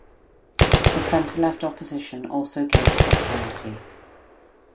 The center-left opposition also gained popularity.